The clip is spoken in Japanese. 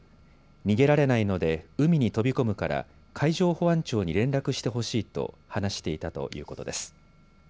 逃げられないので海に飛び込むから海上保安庁に連絡してほしいと話していたということです。